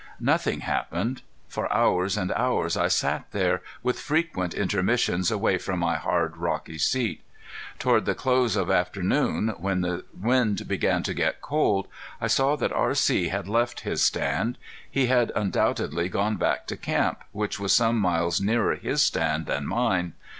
Nothing happened. For hours and hours I sat there, with frequent intermissions away from my hard, rocky seat. Toward the close of afternoon, when the wind began to get cold, I saw that R.C. had left his stand. He had undoubtedly gone back to camp, which was some miles nearer his stand than mine.